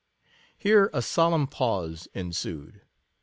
Here a solemn pause ensued.